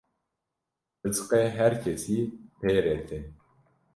Rizqê her kesî pê re tê